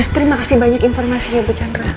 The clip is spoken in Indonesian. terima kasih banyak informasi ya bu chandra